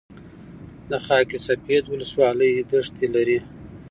د خاک سفید ولسوالۍ دښتې لري